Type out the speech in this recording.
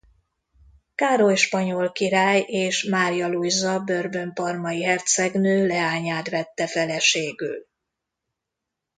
Károly spanyol király és Mária Lujza Bourbon–parmai hercegnő leányát vette feleségül.